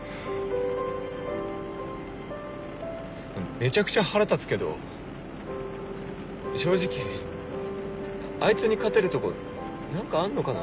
めちゃくちゃ腹立つけど正直あいつに勝てるとこ何かあんのかな？